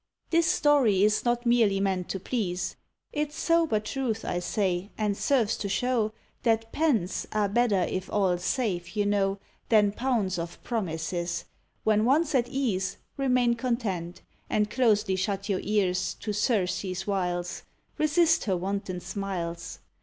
This story is not merely meant to please; It's sober truth, I say, and serves to show That pence are better if all safe, you know, Than pounds of promises; when once at ease, Remain content, and closely shut your ears To Circe's wiles, resist her wanton smiles.